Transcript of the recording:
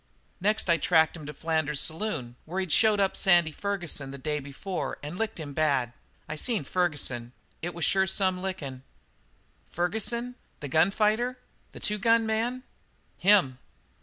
"Next I tracked him to Flanders's saloon, where he'd showed up Sandy Ferguson the day before and licked him bad. I seen Ferguson. It was sure some lickin'." "Ferguson? The gun fighter? The two gun man?" "Him."